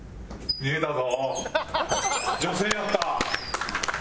見えたぞ！